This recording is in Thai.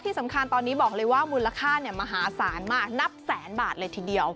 ที่สำคัญตอนนี้บอกเลยว่ามูลค่ามหาศาลมากนับแสนบาทเลยทีเดียว